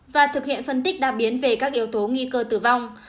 và thực hiện phân tích đa biến về các yếu tố nguy cơ tử vong